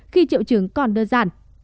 khi triệu chứng còn đơn giản